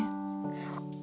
そっか。